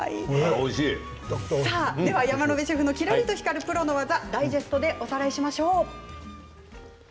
山野辺シェフのキラリと光るプロの技ダイジェストでおさらいします。